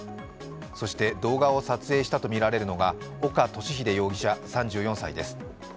そして動画を撮影したとみられるのが岡敏秀容疑者３４歳です。